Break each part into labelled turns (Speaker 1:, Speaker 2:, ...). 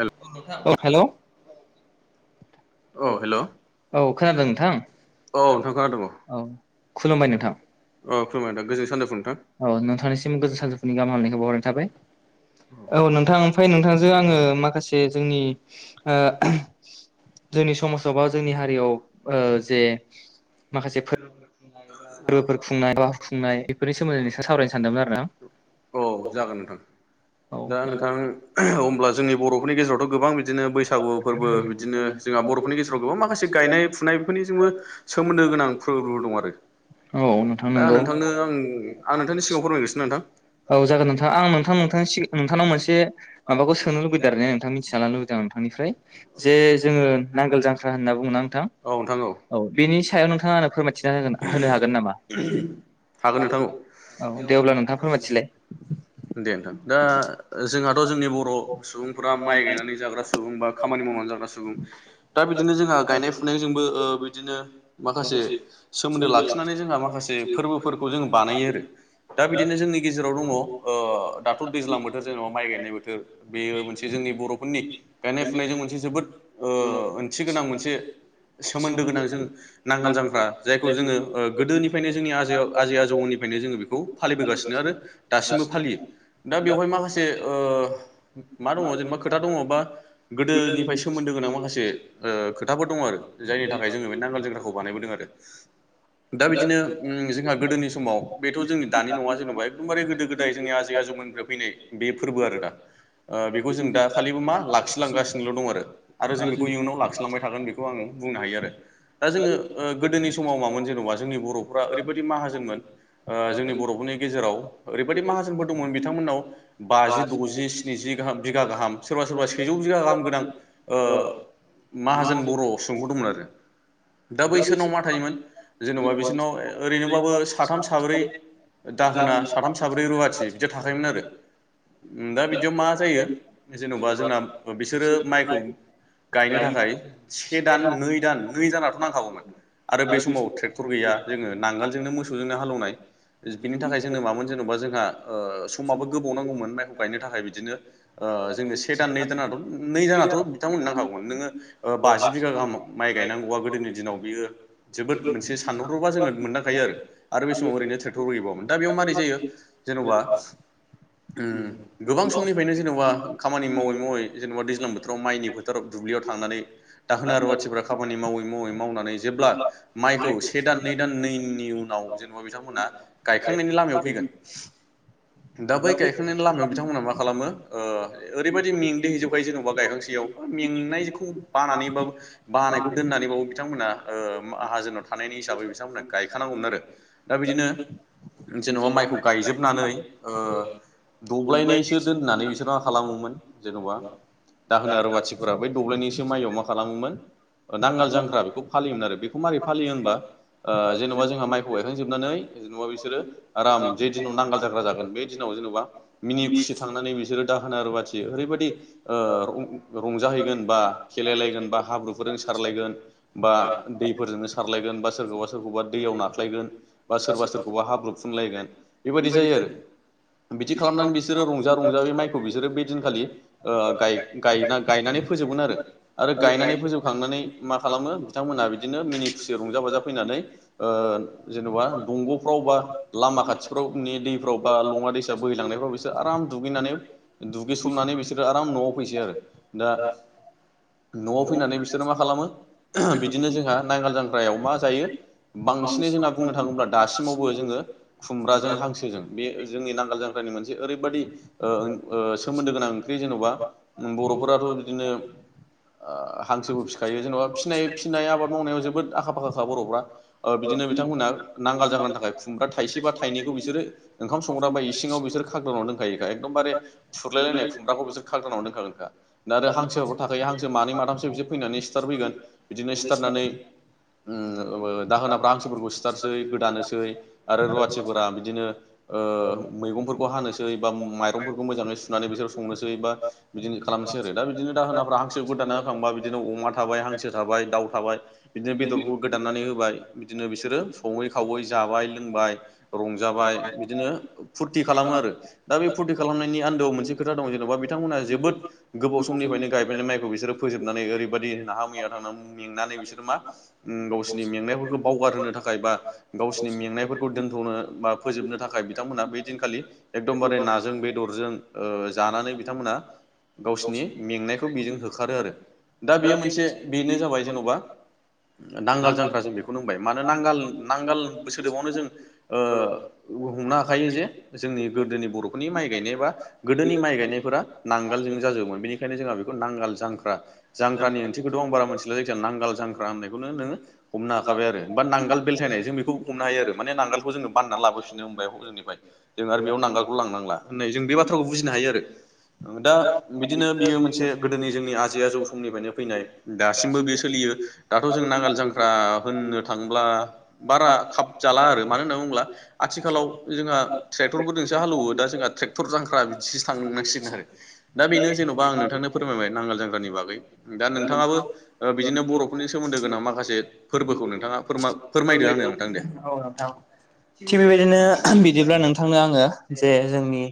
Speaker 1: हेल' नोंथां
Speaker 2: औ
Speaker 1: हेलौ
Speaker 2: औ हेल' औ खोनादों नोंथां।
Speaker 1: नोंथां खोनादों
Speaker 2: औ खुलुमबाय नोंथां
Speaker 1: औ खुलुमबाय नोंथां गोजोन सानजौफु नोंथां
Speaker 2: औ नोंथांनिसिम गोजोन सानजौफुनि गाहाम हामलायनायखौ बावहरनाय थाबाय औ नोंथां ओमफ्राय नोंथांजों आङो माखासे जोंनि ओ जोंनि समाजाव बा जोंनि हारियाव ओ जे माखासे फोर फोरबोफोर खुंनाय हाबा खुंनाय बेफोरनि सोमोन्दै नों सावरायनो सानदोंमोन आरो ना
Speaker 1: औ जागोन नोंथां
Speaker 2: औ
Speaker 1: दा नोंथां अब्ला जोंनि बर'फोरनि गेजेरावथ' गोबां बिदिनो बैसागु फोरबो बिदिनो जोंहा बर'फोरनि गेजेराव गोबां माखासे गायनाय फुनाय बेफोरनि जोंबो सोमोन्दो गोनां फोरबोफोर दं आरो
Speaker 2: औ नोंथां
Speaker 1: दा
Speaker 2: नंगौ
Speaker 1: नोंथांनो आं आं नोंथांनि सिगाङाव फोरमायनिसै नोंथां
Speaker 2: औ जागोन नोंथां आं नोंथां नोंथांनि सिगां नोंथांनाव मोनसे माबाखौ सोंनो लुबैदों आरो नोंथाङा मिथिना लानो लुबैदोंं नोंथांनिफ्राय जे जोङो नांगोल जांख्रा होनना बुङोना नोंथां
Speaker 1: औ नोंथां
Speaker 2: औ बेनि सायाव नोंथाङा आंनो फोरमायथिना होगोना होनो हागोन नामा
Speaker 1: हागोन नोंथां औ
Speaker 2: औ दे अब्ला नोंथां फोरमायथिलाय
Speaker 1: दे नोंथां दा जोंहाथ' जोंनि बर' सुबुंफोरा माइ गायनानै जाग्रा सुबुं बा खामानि माव ना जाग्रा सुबुं दा बिदिनो जोंहा गायनाय फुनायजोंबो‌ ओ बिदिनो माखासे सोमोन्दो लाखिनानै जोंहा माखासे फोरबोफोरखौ जोंङो बानायो आरो दा बिदिनो जोंनि गेजेराव दङ ओ दाथ' दैज्लां बोथोर जेनेबा माइ गायनाय बोथोर बेयो मोनसे जोंनि बर'फोरनि गायनाय फुनायजों मोनसे जोबोद ओंथि गोनां मोनसे सोमोनदो गोनां नांगाल जांख्रा जाय जोङो गोदोनिफ्रायनो जोंनि आजै आजौनिफ्रायनो जोङो बेखौ फलिबोगासिनो आरो दासिमबो फालियो दा बेवहाय माखासे ओ मा दङ जेनेबा खोथा दङ बा गोदोनिफ्राय सोमोन्दो गोनां ओ माखासे खोथाफोर दं आरो जायनि थाखाय जोङो बे नांगाल जांख्राखौ बानायबोदों आरो दा बिदिनो ओ जोंहा गोदोनि समाव बेथ' जोंनि दानि नङा जेन'बा एकदमबारे गोदो गोदाय जोंनि आजै आजौमोननिफ्राय फैनाय बे फोरबो आरो दा बेखौ जों दा खालिबो मा लाखिलांगासिनो दं आरो आरो जों बेखौ इयुनाव लाखिलांबाय थागोन बेखौ आं बुंनो हायो आरो दा जोङो गोदोनि समाव मामोन जेनेबा जोंनि बर'फोरा ओरैबादि माहाजोनमोन ओ जोंनि बर'फोरनि गेजेराव ओरै मोनफोर दंमोन बिथांमोननाव बाजि द'ज स्निजि बिघा गाहाम सोरबा सोरबा सेजौ बिगा गाहाम गोनां माहाजोन बर' सुबुंह दंमोन आरो दा बैसोरनाव मा थायोमोन? जेन'बा बिसोरनाव ओरैनोबाबो साथाम साब्रै दाहोना साथाम साब्रै रुवाथि बिदिया थाखायोमोन आरो दा बिदियाव मा जायो जेन'बा जोंना बिसोरो माइखौ गायनो थाखाय से दान नै दान नै दानथ' नांखागौमोन आरो बे समाव ट्रेक्टर गैया जों नांगालजोंनो मोसौजोंनो हालौनाय बिनि थाखाय जोंनो मा मोनसे जेनेबा जोंहा समाबो गोबाव नांगौमोन माइखौ गायनो थाखाय बिदिनो जोंनो से दान नै दान नै दानाथ' बिथांमोननो नांखागौमोन नोङो बाजि बिगा गाहाम माइ गायनांगौआ गोदोनि दिनाव बियो जोबोद मोनसे सानहरबा जोङो मोनदांखायो आरो बे समाव ओरैनो ट्रेक्टरबो गैबावामोन दा बेयाव मारै जायो जेन'बा गोबां समनिफ्रायनो जेनेबा खामानि मावै मावै जेनेबा दैज्लां बोथोराव माइनि फोथोराव दु ब्लियाव थांनानै दाहोना रुवाथिफोरा खामानि मावै मावै मावनानै जेब्ला माइ से दान नै दान नैनि उनाव जेन'बा बिथांमोना गायखांनायनि लामायाव फैगोन दा बै गायखांनायनि लामायाव बिथांमोना मा खालामो ओ ओरैबायदि मेंग्लिहैजोबखायो जेन'बा गायखांसैयाव मेंनायखौ बानानै बाना बानायखौ दोननानैबो बिथांमोना माहाजोनाव थानायनि हिसाबै बिथांमोना गायखानांगौमोन आरो दा बिदिनो जेन'बा माइखौ गायजोबनानै ओ दब्लायनायसो दोननानै बिसोर मा खालामोमोन जेन'बा दाहोना रुवाथिफोरा बै दब्लायनैसो माइआव मा खालामोमोन नांगाल जांग्रा बेखौ फालियोमोन आरो बेखौ मारै फालियो होनबा जेन'बा जोंहा माइखौ गायखांजोबनानै जेनेबा बिसोरो आराम जे दिनाव नांगाल जाग्रा जागोन बे दिनाव जेन'बा मिनि खुसि थांनानै बिसोरो दाहोना रुवाथि ओरैबायदि ओ रंजाहैगोन बा खेलायलायगोन बा हाब्रुफोरजों सारलायगोन बा दै फोरजोंनो सारलायगोन बा सोरखौबा सोरखौबा दैयाव नाख्लायगोन बा सोरबा सोरखौबा हाब्रुुबफुनलायगोन बेबायदि जायो आरो बिदि खालामनानै बिसोरो रंजा रंजा बे माइखौ बिसोरो बै दिनखालि ओ गायनानै फोबोगोन आरो आरो गायनानै फोबखांनानै मा खालाम बिथांमोना बिनो मिनि खुसि रंजा बाजा फैनानै ओ जेनेबा दंग'फ्राव बा लामा खा निदैफ्राव बा लङा दैसा बोहैलांनायफ्राव बिसोर आराम दुगैनानै दुगैस्रनानै बिसोर आराम न'आव फैैसै आरो दा न'आव फैनानै बिसोरो मा खालामो बिदिनो जोंहा नांगाल जांग्रायाव मा जायो बांसिनै जोंना बुंनो थाङोब्ला दासिमावबो जोङो खुमब्राजों हांसोजों बे जोंनि नांगोल जांख्रानि मोनसे ओरैबायदि ओ ओ सोमोनदो गोनां ओंख्रि जोंन बा बर'फोराथ' बिदिनो ओ हांसोबो फिखायो जेन'बा फिनाय फिनाय आबाद माव आखा फाखाखा बर'फ्रा ओ बिदिनो बिथांमोनहा नांगाल जाग्रानि थाखाय खुमब्रा थाइसे बा थाइनै थाइनैखौ बिसोरो ओंखाम संग्रा बा इसिङाव बिसोर खागदावनानै दोनखायोखा एकदमबारे फुरलायलायनाय खुमब्राखौ बिसोर खागदावना दोनखागोनखा आरो हांसो हायो हांसो मानै माथामसो बिदिनो फैनानै स्टारट फैगोन बिदिनो स्टार नानै उम दाहोनाफ्रा हांसोफोरखौ सिथारनोसै गोदानोसै आरो‌ रुवाति दा बिदिनो ओ मैगंफोरखौ हानोसै बा माइरंफोरखौ मोजाङै सुनानै बिसोर संनोसै बा बिदिनो खालामनोसै आरो दा बिदिनो दाहोनाफ्रा हांसो गोदाना होखांबा बिदिनो अमा थाबाय हांसो थाबाय दाव बिदिनो बेदरफोरखौ गोदाननानै होबाय बिदिनो बिसोरो सङै खावै जाबाय लोंबाय रंजाबाय बिदिनो फुरथि खालामो आरो दा बे फुरथि खालामनायनि आन्दोआव मोनसे खोथा दं जेनेबा बिथां मोनहा जोबोद गोबाव समनिफ्रायनो गायबोयनाय माइखौ बिसोरो फोजोबनानै ओरैबायदि नाहा मैया थांनानै बिसोरो मा उम गावसिनि मेंनायफोरखौ बावगारहोनो थाखाय बा गावसिनि मेंनायफोरखौ दोनथ'नो बा फोजोबनो थाखाय बिथांमोना बै दिनखालि एकदमबारे नाजों बेदरजों ओ जानानै बिथांमोनहा गावसिनि मेंनायखौ बेजों होखारो आरो दा बेयो मोनसे बेनो जाबाय जेन नांगाल जांख्रा जों बेखौनो बुंबाय मानो नांगाल नांगोल सोदोबावनो जों ओ औ हमनो हाखायो जे जोंनि गोदोनि बर'फोरनि माइ गायनाय बा गोदोनि माइ गायनायफोरा नांगोल जों जाजोबोमोन बेनिखायनो जोंहा बेखौ नांगाल जांख्रा जांख्रानि ओंथिखौथ' आं बारा मोनथिला लै नांगाल जांख्रा होननायखौनो नोङो हमनो हाखाबाय आरो बा नांगाल बेलथायनाय जों बेखौ हमनो हायो आरो मान नांगाल जोङो बाननानै लाबोफिनो होनबाय जोंनिफ्राय जों आरो बेयाव नांगालखौ लांनांला होननाय जों बे बाथ्राखौ बुजिनो हायो आरो दा बिदिनो बियो मोनसे गोदोनि जोंनि आजै आजौ समनिफ्रायनो फैनाय दा बे सोलियो दाथ' जों नांगाल जांख्रा होननो थाङोब्ला बारा खाब जाला आरो मानो होनना बुङोब्ला आथिखालाव जोंहा ट्रेक्टरफोरजोंसो हालौवो दा जोंहा ट्रेक्टर जांख्रा बिदिसो थां नांसिगोन आरो दा बेनो जेन'बा आं नोंथांनो फोरमायबाय नांगोल जांग्रानि बागै दा नोंथाङाबो बिदिनो बर'फोरनि सोमोन्दो गोनां माखासे फोरबोखौ नोंथाङा फोरमाय फोरमायदो आंनो नोंथां दे
Speaker 2: औ नोंथां थिग बेबायदिनो बिदिब्ला नोंथांनो आङो जे जोंनि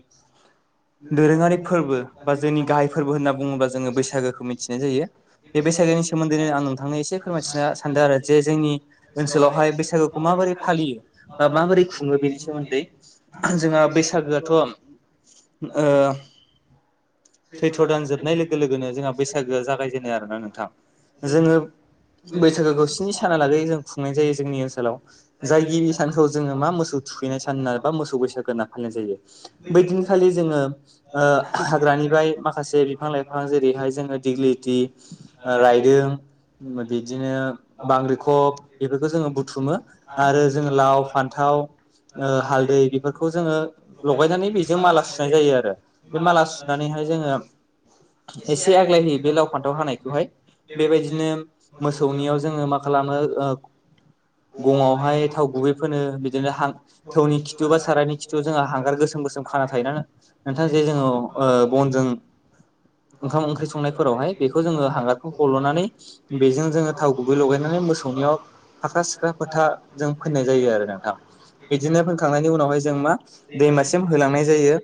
Speaker 2: दोरोङारि फोरबो बा जोंनि गाहाय फोरबो होनना बुङोब्ला जोङो बैसागोखौ मिथिनाय जायो। बे बैसागोनि सोमोन्दैनो आं नोंथांनो एसे फोरमायथिनो सानदों आरो जे जोंनि ओनसोलावहाय बैसागोखौ माबोरै फालियो बा माबोरै खुङो बेनि सोमोन्दै जोंहा बैसागोआथ' ओ सैथ्र' दान जोबनाय लोगो लोगोनो जोंहा बैसागोआ जागायजेनो आरोना नोंथां जोङो बैसागोखौ स्नि सानालागै जों खुंनाय जायो जोंनि ओनसोलाव जाय गिबि सानखौ जोङो मा मोसौ थुखैनाय सान होननानै बा मोसौ बैसागो होनना फालिनाय जायो बै दिनखालि जोङो ओ हाग्रानिफ्राय माखासे बिफां लाइफां जेरैहाय जोङो दिग्लिलिथि राइदों बिदिनो बांग्रिखब बेफोरखौ जोङो बुथुमो आरो जोङो लाव फान्थाव ओ हालदै बेफोरखौ जोङो लगायनानै बेजों माला सुनाय जायो आरो बे माला सुनानैहाय जोङो एसे आग्लायहयो बे लाव फान्थाव हानायखौहाय बेबायदिनो मोसौनियाव जोङो मा खालामो ओ गङावहाय थाव गुबै फुनो बिदिनो हां थौनि खिथु बा सारायनि खितु जोंहा हांगार गोसोम गोसोम खाना थायोना नोंथां जे थे जोङो बनजों ओंखाम ओंख्रि संनायफोरावहाय बे जोङो हागारखौ हल'नानै बेजों जोङो थाव गुबै लगायनानै मोसौनियाव फाख्रा सिख्रा फोथा जों फोननाय जायो आरो नोंथां बिदिनो फोनखांनायनि उनावहाय जों मा दैमासिम होलांनाय जायो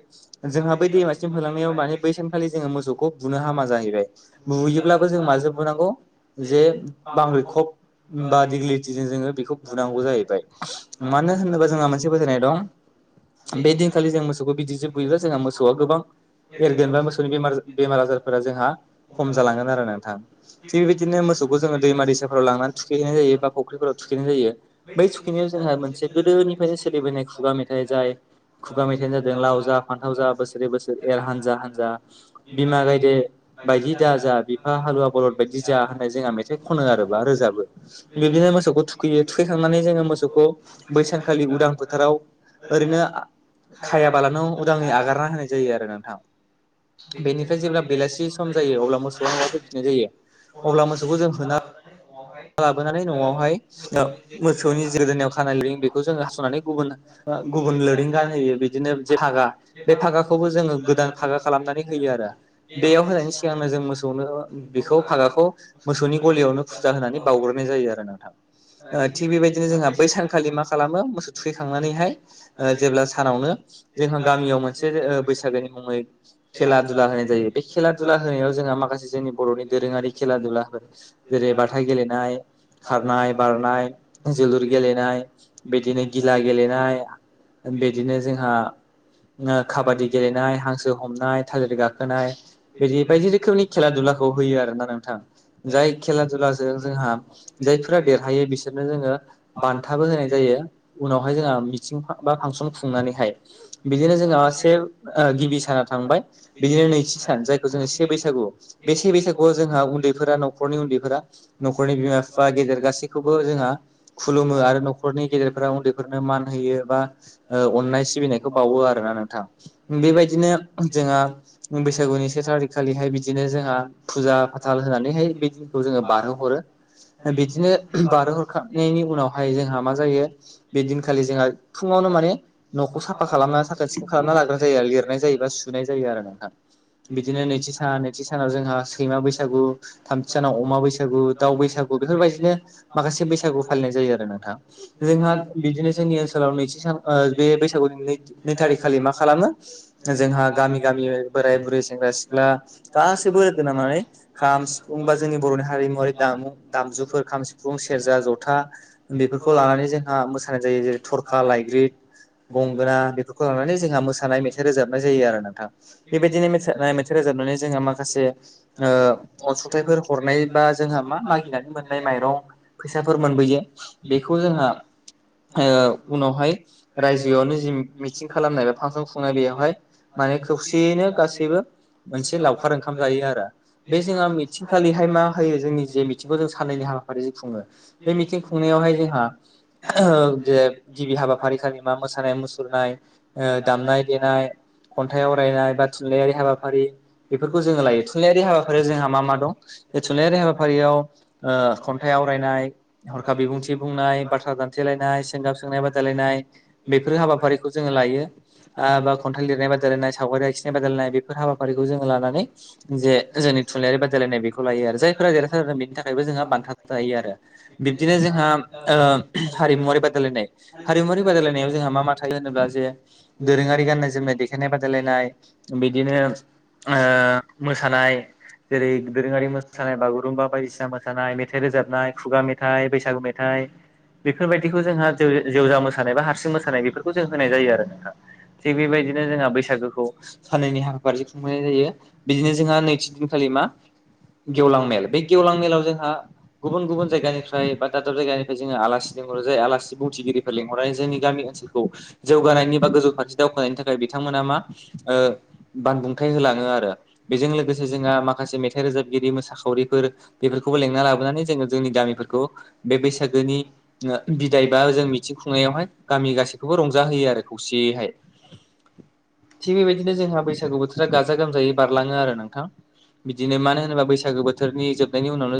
Speaker 2: जोंहा बै दैमासिम होलांनायाव माने बै सानखालि जोङो मोसौखौ बुनो हामा जाहैबाय बुयोब्लाबो जों माजों बुनांगौ जे बांग्रिखब बा दिग्लिलिथिजों जोङो बेखौ बुनांगौ जायो। बाय मानो होनोबा जोंहा मोनसे फोथायनाय दं बे दिनखालि जों मोसौखौ बिदिजों बुयोबा जोंहा मोसौआ गोबां एरगोनबा मोसौनि बे बेमार आजारफोरा जोंहा खम जालांगोन आरो नोंथां। थिग बेबायदिनो मोसौखौ जोङो दैमा दैसाफोराव लांनानै थुखैहैनाय जायो बा फुख्रिफोराव थुखैनाय जायो। बै सुखिनायाव जोंहा मोनसे गोदोनिफ्रायनो सोलिबोनाय खुगा मेथाइ जाय खुगा मेथाइानो जादों लाव जा फान्थाव जा बोसोरै बोसोरै एर हानजा हानजा बिमा गायदे बायदि दा जा बिफा हालुवा बलद बायदि जा होन जोंहा मेथाइ खनो आरो बा रोजाबो बिदिनो मोसौखौ थुखैयो थुखै खांनानै जोङो मोसौखौ बैसानखालि उदां फोथाराव ओरैनो खायाबालानो उदाङै आगारना होनाय जायो आरो नोंथां। बेनिफ्राय जेब्ला बेलासि सम जायो अब्ला मोसौआहाय नाय जायो अब्ला मोसौखौ जों होना लाबोनानै न'आवहाय सिथाव मोसौनि जि‌ गोदोनायाव खानाय लोरिं बेखौ जोङो हास'नानै गुबुन ओ गुबुन लोरिं गान होयो बिदिनो जे हा गा बे फागाखौबो जोङो गोदान फागा खालामनानै होयो आरो। बेयाव होनायनि सिगांनो जों मोसौनो बेखौ फागाखौ मोसौनि गलियावनो फुजा होनानै बावग्रोननाय जायो आरो नोंथां थिग बेबायदिनो जोंहा बै सानखालि मा खालामो मो थुखैखांनानैहाय ओ जेब्ला सानावनो जोंहा गामियाव मोनसे ओ बैसागोनि मुङै खेला दुला होनाय जायो बे खेला दुला होनायाव जोंहा माखासे जोंनि बर'नि दोरोङारि खेला दुला जेरै बाथा गेलेनाय खारनाय बारनाय जोलुर गेलेनाय बेदिनो गिला गेलेनाय बेदिनो जोंहा ओ काबादि गेलेनाय हांसो हमनाय थालिर गाखोनाय बिदि बायदि रोखोमनि खेला दुला खौ होयो आरो ना नोंथां जाय खेला दुलाजों जोंहा जायफोरा देरहायो बिसोरनो जोङो बान्थाबो होनाय जायो। उनावहाय जोंहा मिथिं बा फांसन खुंनानैहाय बिदिनो जोंहा से ओ गिबि साना थांबाय बिदिनो नैथि सान जायखौ जोङो से बैसागु बे से बैसागुआव जोंहा उन्दैफोरा न'खरनि उन्दैफोरा न'खरनि बिमा बिफा गेदेर गासैखौबो जोंहा खुलुमो आरो न'खरनि गेदेर फोरा उन्दैफोरनो मान होयो बा ओ अननाय सिबिनायखौ बावो आरोना नोंथां बेबायदिनो जोंहा बैसागुनि से थारिख खालिहाय बिदिनो जोंहा फुजा फाथाल होनानैहाय बि दिनखौ जोङो बारहोहरो बिदिनो बारहो हरखांनायनि उनावहाय जोंहा मा जायो बे दिनखालि जोंहा फुङावनो माने न'खौ साफा खालामना साखोन सिखोन खालामना लाग्रोनाय जायो आरो लिरनाय जायो। एबा सुनाय जायो आरो नोंथां। बिदिनो नैथि सान नैथि सानाव जोंहा सैमा बैसागु थामथि सानाव अमा बैसागु दाव बैसागु बेफोरबायदिनो माखासे बैसागु फालिनाय जायो आरो नोंथां। जोंहा बिदिनो जोंनि ओनसोलाव नैथि सान ओ बे बैसागु नै थारिख खालि मा खालामो जोंहा गामि गामि बोराय बुरै सेंग्रा सिख्ला गासैबो लोगोनांनानै खाम सिफुं बा जोंनि बर'नि हारिमुवारि दामु दामजुफोर खाम सिफुं सेरजा जथा बेफोरखौ लानानै जों ओ मोसानाय जायो जेरै थरखा लायग्रिद गंगोना बेफोरखौ लानानै जोंहा मोसानाय मेथाइ रोजाबनाय जायो आरो नोंथां बेबायदिनो मोसानाय मेथाइ रोजाब नानै जों माखासे ओ अनसुंथाइफोर हरनाय बा जोंहा मा मागिनानै मोननाय माइरं फैसाफोर मोनबोयो बेखौ जोंहा ओ उनावहाय रायजोआवनो जि मिटिं खालामनाय बा फांसन खुंनाय बेयावहाय माने खौसेयैनो गासैबो मोनसे लावखार ओंखाम जायो आरो बे जोंहा मिथिंखालिहाय मा होयो जोंनि जे मिथिंखौ जों साननैनि हाबाफारिजों खुङो बे मिथिं खुंनायावहाय जोंहा ओ जे गिबि हाबाफारि खालि मा मोसानाय मुसुरनाय ओ दामनाय देनाय खन्थाइ आवरायनाय बा थुनलाइयारि हाबाफारि बेफोरखौ जोङो लायो थुनलाइयारि हाबाफारिया जोंहा मा मा दं बे थुनलाइयारि हाबाफारियाव ओ खन्थाइ आवरायनाय हरखाब बिबुंथि बुंनाय बाथ्रा दान थेलायनाय सोंगाब सोंनाय बादायलायनाय बेफोर हाबाफारिखौ जोङो लायो ओ बा खन्थाइ लिरनाय बा बादायलायनाय सावगारि आखिनाय बादायलायनाय बेफोर हाबाफारिखौ जोंङो लानानै जे जोंनि थुनलाइयारि बादायलायनाय बेखौ लायो आरो जायफोरा देरहासारदों बेनि थाखायबो जोंहा बान्था थायो आरो बिब्दिनो जोंहा ओ हारिमुवारि बादायलायनाय हारिमुवारि बादायलायनायाव जोंहा मा मा थायो होनोब्ला जे दोरोङारि गाननाय जोमनाय दे नाय बादायलायनाय बिदिनो ओ मोसानाय जेरै दोरोङारि मोसानाय बागुरुम्बा बायदिसिना मोसानाय मेथाइ रोजाबनाय खुगा मेथाइ बैसागु मेथाइ बेफोरबायदिखौ जोंहा जेव जेवजा मोसानाय बा हारसिं मोसानाय बेफोरखौ जों होनाय जायो आरो नोंथां थिग बेबायदिनो जोंहा बैसागोखौ साननैनि हाबाफारिजों खुंफुंनाय जायो बिदिनो जोंहा नैथि दिनखालि मा? गेवलां मेल बे गेवलां मेलाव जोंहा गुबुन गुबुन जायगानिफ्राय बा दाब दाब जायगानिफ्राय जों आलासि लेंहरो जाय आलासि बुंथिगिरिफोर लेंहरनानै जोंनि गामि ओनसोलखौ जौगानायनि बा गोजौ फारसे दावखो नायनि थाखाय बिथांमोना मा ओ बानबुंथाइ होलाङो आरो बेजों लोगोसे जोंहा माखासे मेथाइ रोजाबगिरि मोसाखावरिफोर बेफोरखौबो लेंना लाबोनानै जोङो जोंनि गामिफोरखौ बे बैसा गोनि ओ बिदाय बा जों मिथिं खुंनायावहाय गामि गासैखौबो रंजाहोयो आरो खौसेयैहाय [inaudible] थिग बेबायदिनो जोंहा बैसागु बोथोरा गाजा गोमजायै बारलाङो आरो नोंथां दिनै मानो होनोबा बैसागो बोथोरनि जोबनायनि उनावनो